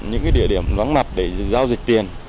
những địa điểm vắng mặt để giao dịch tiền